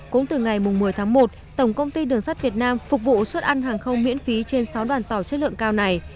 cũng từ ngày một mươi tháng một tổng công ty đường sắt việt nam phục vụ xuất ăn hàng không miễn phí trên sáu đoàn tàu chất lượng cao này